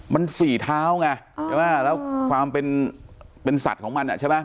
มันสี่เท้าไงใช่ไหมแล้วความเป็นสัตว์ของมันใช่ไหม